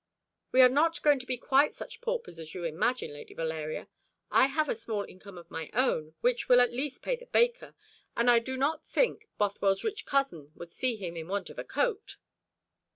"We are not going to be quite such paupers as you imagine, Lady Valeria. I have a small income of my own, which will at least pay the baker; and I do not think Bothwell's rich cousin would see him in want of a coat."